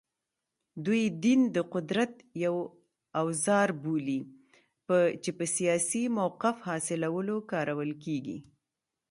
دوی دین د قدرت یو اوزار بولي چې په سیاسي موقف حاصلولو کارول کېږي